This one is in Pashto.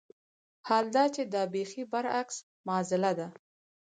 حال دا چې دا بېخي برعکس معاضله ده.